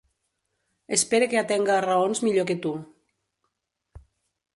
Espere que atenga a raons millor que tu.